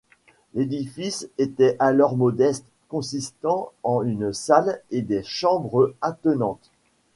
L'édifice était alors modeste, consistant en une salle et des chambres attenantes.